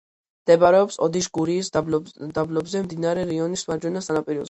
მდებარეობს ოდიშ–გურიის დაბლობზე, მდინარე რიონის მარჯვენა სანაპიროზე.